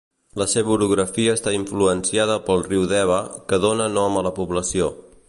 La seva orografia està influenciada pel riu Deva, que dóna nom a la població.